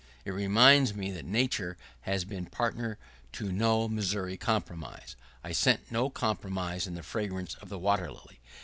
It reminds me that Nature has been partner to no Missouri Compromise. I scent no compromise in the fragrance of the water lily.